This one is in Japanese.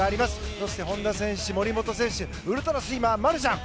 そして本多選手、森本選手ウルトラスイマー、マルシャン。